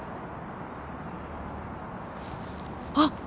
あっ！